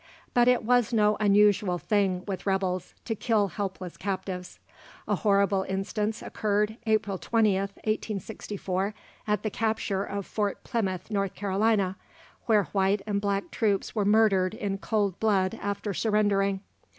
But it was no unusual thing with rebels to kill helpless captives. A horrible instance occurred (April 20th, 1864) at the capture of Fort Plymouth, N. C., where white and black troops were murdered in cold blood after surrendering.